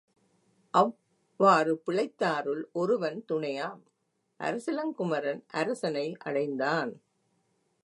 அவ்வாறு பிழைத்தாருள் ஒருவன் துணையாம், அரசிளங்குமரன் அரசனை அடைந்தான்.